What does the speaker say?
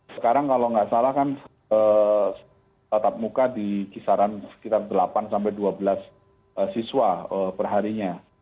sekarang kalau nggak salah kan tatap muka di kisaran sekitar delapan sampai dua belas siswa perharinya